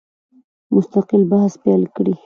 مستقل بحث پیل کړي.